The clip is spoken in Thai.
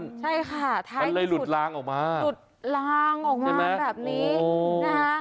ใช่ค่ะท้ายที่สุดมันเลยหลุดล้างออกมาหลุดล้างออกมาแบบนี้ใช่ไหมโอ้นะ